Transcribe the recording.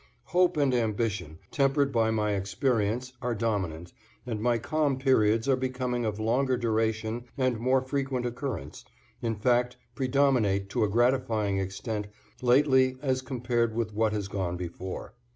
Hope and ambition, tempered by my experience, are dominant, and my calm periods are becoming of longer duration and more frequent occurrence, in fact, predominate to a gratifying extent lately as compared with what has gone before.